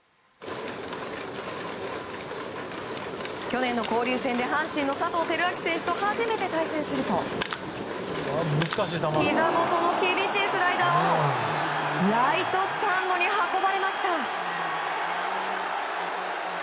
去年の交流戦で阪神の佐藤輝明選手と初めて対戦するとひざ元の厳しいスライダーをライトスタンドに運ばれました。